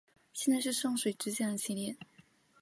现在是圣水支线的起点。